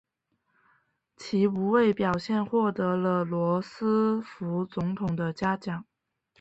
其无畏表现获得了罗斯福总统的嘉奖。